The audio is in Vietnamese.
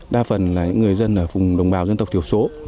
đa phần là người dân ở phùng đồng bào dân tộc thiểu số